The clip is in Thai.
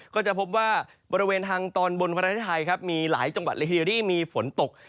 ก็จะพบว่าโดยทางตอนบนพันธภัยมีหลายจังหวัดเทียวเรียมให้มีฝนตก